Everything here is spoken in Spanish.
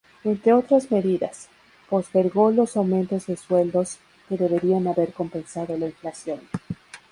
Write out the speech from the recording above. Entre otras medidas, postergó los aumentos de sueldos que deberían haber compensado la inflación.